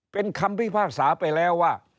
เป็นคำพิพากษาไปแล้วว่า